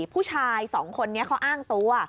ผู้ชายสองคนนี้เขาอ้างตัว